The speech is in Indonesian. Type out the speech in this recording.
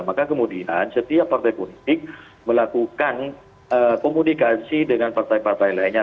maka kemudian setiap partai politik melakukan komunikasi dengan partai partai lainnya